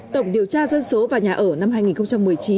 tổng điều tra dân số và nhà ở năm hai nghìn một mươi chín